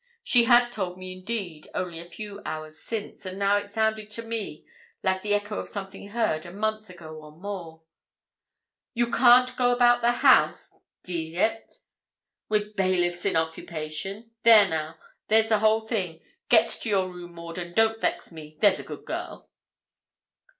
She had told me indeed only a few hours since, and now it sounded to me like the echo of something heard a month ago or more. 'You can't go about the house, d n it, with bailiffs in occupation. There now there's the whole thing. Get to your room, Maud, and don't vex me. There's a good girl.'